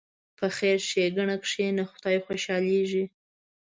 په خیر ښېګڼه کښېنه، خدای خوشحالېږي.